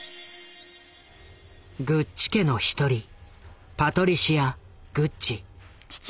グッチ家の一人パトリシア・グッチ。